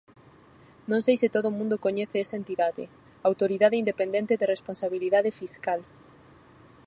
Non sei se todo o mundo coñece esa entidade, Autoridade Independente de Responsabilidade Fiscal.